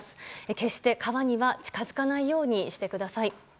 決して、川には近づかないようにしてください。